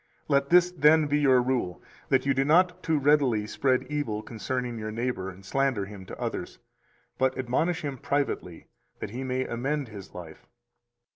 Let this, then, be your rule, that you do not too readily spread evil concerning your neighbor and slander him to others, but admonish him privately that he may amend [his life].